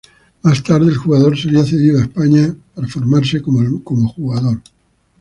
Más tarde, el jugador sería cedido a España para formarse como jugador.